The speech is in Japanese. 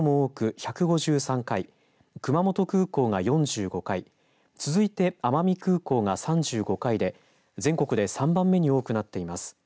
４５回続いて、奄美空港が３５回で全国で３番目に多くなっています。